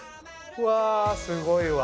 うわすごいわ！